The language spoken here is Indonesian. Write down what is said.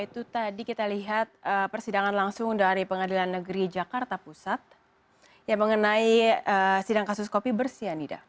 itu tadi kita lihat persidangan langsung dari pengadilan negeri jakarta pusat yang mengenai sidang kasus kopi bersianida